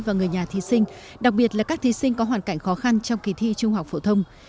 và người nhà thí sinh đặc biệt là các thí sinh có hoàn cảnh khó khăn trong kỳ thi trung học phổ thông